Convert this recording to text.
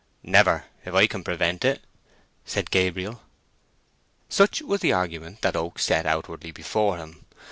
"Never, if I can prevent it!" said Gabriel. Such was the argument that Oak set outwardly before him.